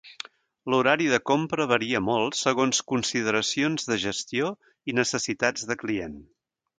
L'horari de compra varia molt segons consideracions de gestió i necessitats de client.